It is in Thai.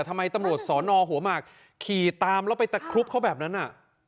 ทำไมตำรวจสอนอหัวหมากขี่ตามแล้วไปตะครุบเขาแบบนั้นน่ะ